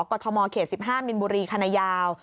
ทมเขต๑๕มินบุรีคณะยาว